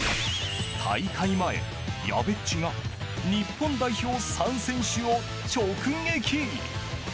大会前、やべっちが日本代表３選手を直撃。